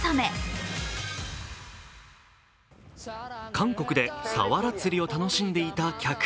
韓国でサワラ釣りを楽しんでいた客。